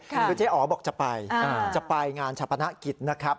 ก็เจ๊อ๋อบอกจะไปงานชัปนากิจนะครับ